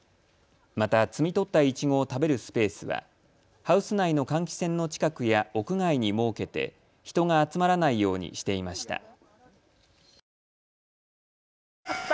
また、摘み取ったいちごを食べるスペースはハウス内の換気扇の近くや屋外に設けて人が集まらないようにしていました。